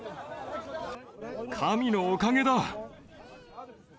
神のおかげだ。